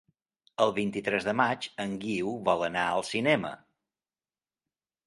El vint-i-tres de maig en Guiu vol anar al cinema.